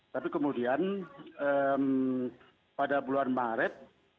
tapi kemudian pada bulan maret